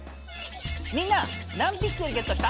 みんな何ピクセルゲットした？